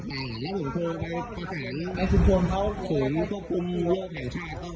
อ๋อผมถือว่าต้องกำลังถ่ายว่ะ